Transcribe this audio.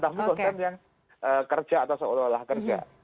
tapi konten yang kerja atau seolah olah kerja